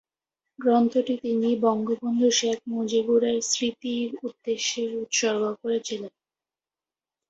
গ্রন্থটি তিনি বঙ্গবন্ধু শেখ মুজিবের স্মৃতির উদ্দেশ্যে উৎসর্গ করেছিলেন।